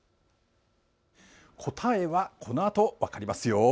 答えはこのあと分かりますよ。